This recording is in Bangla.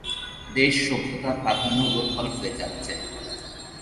দেশ, সভ্যতা, প্রাধান্য ওলটপালট হয়ে যাচ্চে।